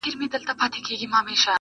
خو په اوسنیو شرایطو کي -